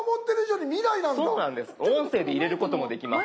音声で入れることもできます。